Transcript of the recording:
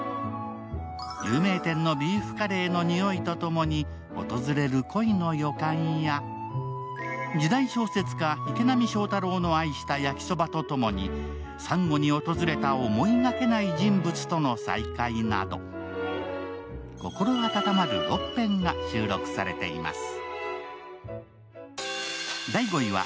有名店のビーフカレーのにおいとともに訪れる恋の予感や時代小説家・池波正太郎の愛した焼きそばとともに珊瑚に訪れた思いがけない人物との再会など、心温まる６編が収録されています。